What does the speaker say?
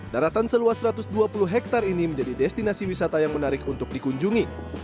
daratan seluas satu ratus dua puluh hektare ini menjadi destinasi wisata yang menarik untuk dikunjungi